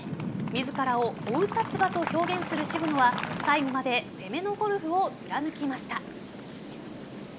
自らを追う立場と表現する渋野は最後まで攻めのゴルフを貫きました。